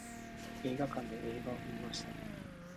映画館で映画を観ました。